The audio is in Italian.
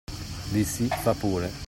Dissi: "Fa' pure".